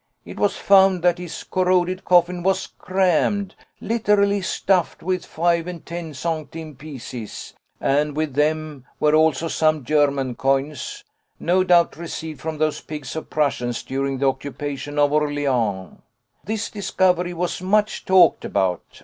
It was found that his corroded coffin was crammed literally stuffed with five and ten centimes pieces, and with them were also some German coins, no doubt received from those pigs of Prussians during the occupation of Orléans. This discovery was much talked about.